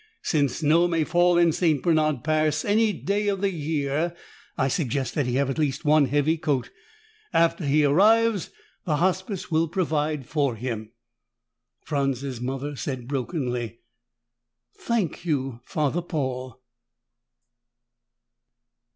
"Since snow may fall in St. Bernard Pass any day of the year, I suggest that he have at least one heavy coat. After he arrives, the Hospice will provide for him." Franz's mother said brokenly, "Thank you, Father Paul."